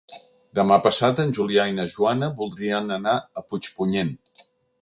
Demà passat en Julià i na Joana voldrien anar a Puigpunyent.